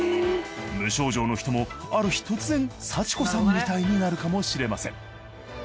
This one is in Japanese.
無症状の人もある日突然幸子さんみたいになるかもしれません。